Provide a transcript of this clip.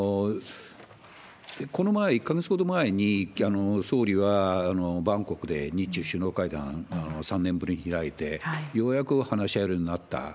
この前、１か月ほど前に、総理はバンコクで日中首脳会談、３年ぶりに開いて、ようやく話し合えるようになった。